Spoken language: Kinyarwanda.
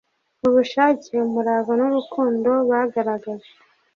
ubushake, umurava n'urukundo bagaragaje